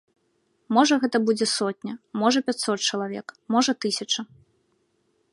Можа, гэта будзе сотня, можа, пяцьсот чалавек, можа, тысяча.